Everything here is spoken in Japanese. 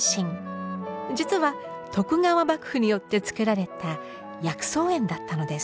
実は徳川幕府によってつくられた薬草園だったのです。